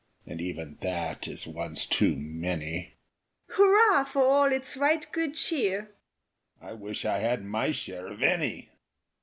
(And even that is once too many;) Hurrah for all its right good cheer! (_I wish I had my share of any!